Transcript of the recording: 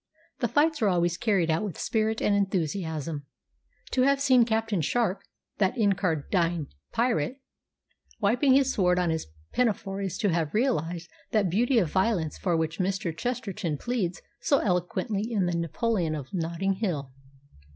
The fights are always carried out with spirit and enthusiasm. To have seen Captain Shark, that incarnadined pirate, wiping his sword on his pinafore is to have realised that beauty of violence for which Mr. Chesterton pleads so eloquently in the "Napoleon of Notting Hill."